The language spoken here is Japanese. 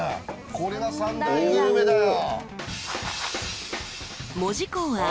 これが３大グルメだよ。